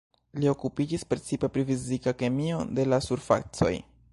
Li okupiĝis precipe pri fizika kemio de la surfacoj.